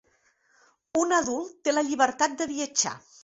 Un adult té la llibertat de viatjar.